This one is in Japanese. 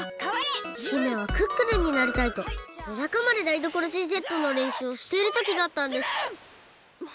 姫はクックルンになりたいとよなかまでダイドコロジーＺのれんしゅうをしているときがあったんですかわれじぶん！